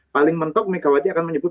paling mentok mika wati akan menyebut